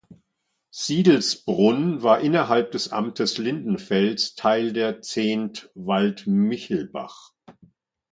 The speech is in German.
Siedelsbrunn war innerhalb des Amtes Lindenfels Teil der "Zent-Waldmichelbach".